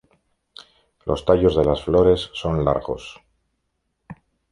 Los tallos de las flores son largos.